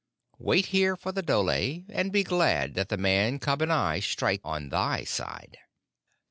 Wait here for the dhole, and be glad that the Man cub and I strike on thy side."